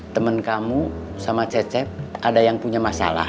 temen kamu sama cecep ada yang punya masalah